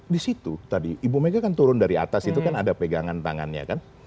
di situ tadi ibu mega kan turun dari atas itu kan ada pegangan tangannya kan